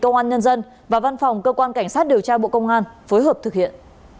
công an nhân dân và văn phòng cơ quan cảnh sát điều tra bộ công an phối hợp thực hiện